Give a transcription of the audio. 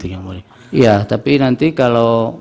iya tapi nanti kalau